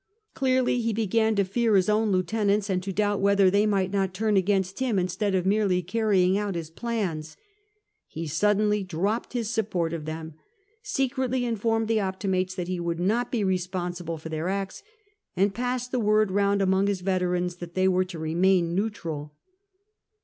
Clearly he began to fear Ms own lieutenants, and to donbt whether they might not turn against him instead of merely carry ing ont his plans He suddenly dropped Ms support of them, secretly informed the Optimates that he would not be responsible for their acts, and passed the word round among Ms veterans that they were to remain neutral.